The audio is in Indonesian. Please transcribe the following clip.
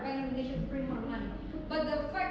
utasnya lebih banyak praktik dan banyak proyek